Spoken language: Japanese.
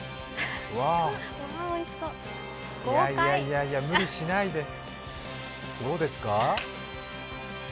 いやいや、無理しないで、どうですか？